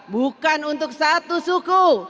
bukan untuk satu suku